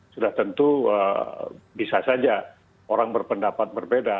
sudah tentu bisa saja orang berpendapat berbeda